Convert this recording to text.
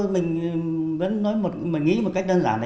mình nghĩ một cách đơn giản